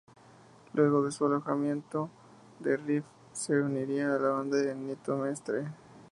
Luego de su alejamiento de Riff, se uniría a la banda de Nito Mestre.